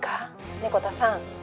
猫田さん。